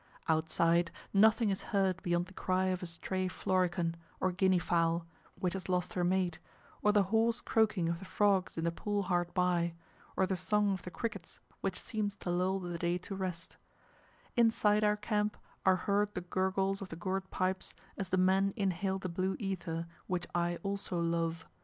Outside nothing is heard beyond the cry of a stray florican, or guinea fowl, which has lost her mate, or the hoarse croaking of the frogs in the pool hard by, or the song of the crickets which seems to lull the day to rest; inside our camp are heard the gurgles of the gourd pipes as the men inhale the blue ether, which I also love.